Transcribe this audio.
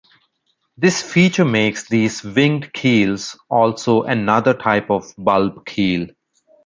This feature makes these winged keels also another type of bulb keel.